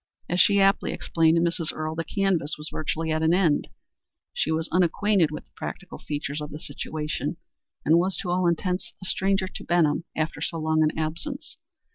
As she aptly explained to Mrs. Earle, the canvass was virtually at an end, she was unacquainted with the practical features of the situation, and was to all intents a stranger in Benham after so long an absence.